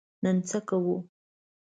نن څه کوو؟